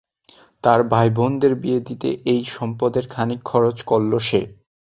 তার ভাই বোনদের বিয়ে দিতে এই সম্পদের খানিক খরচ করলো সে।